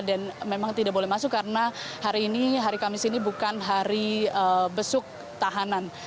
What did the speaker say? dan memang tidak boleh masuk karena hari ini hari kamis ini bukan hari besuk tahanan